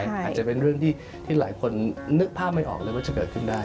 อาจจะเป็นเรื่องที่หลายคนนึกภาพไม่ออกเลยว่าจะเกิดขึ้นได้